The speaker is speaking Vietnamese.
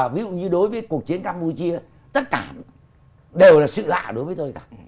ví dụ như đối với cuộc chiến campuchia tất cả đều là sự lạ đối với tôi cả